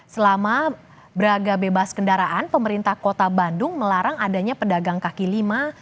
selama braga bebas kendaraan pemerintah kota bandung melarang adanya pedagang kaki lima